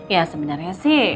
ya sebenarnya sih